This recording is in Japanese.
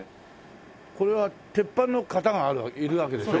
これは鉄板の型がいるわけでしょ？